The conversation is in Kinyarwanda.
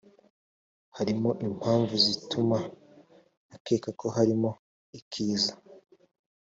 harimo impamvu zituma akeka ko harimo ikiza